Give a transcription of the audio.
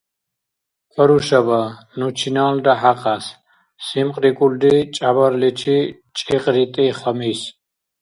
— Карушаба, ну чиналра хӀякьяс! — симкьрикӀулри, чӀябарличи чӀикьритӀи Хамис.